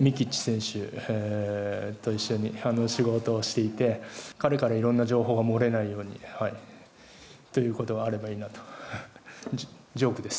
ミキッチ選手と一緒に仕事をしていて、彼からいろんな情報が漏れないようにということがあればいいなと、ジョークです。